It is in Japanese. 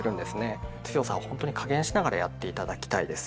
強さをほんとに加減しながらやって頂きたいです。